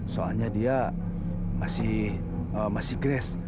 soalnya dia masih masih grace